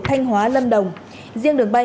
thanh hóa lâm đồng riêng đường bay